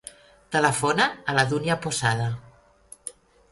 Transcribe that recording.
Telefona a la Dúnia Posada.